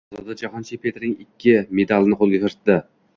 Ozoda jahon chempionatining ikki medalini qo‘lga kiritdi